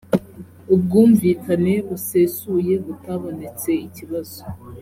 ubwumvikane busesuye butabonetse ikibazo